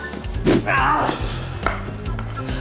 ああ！